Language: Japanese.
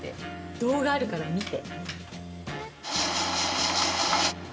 動画あるから見て。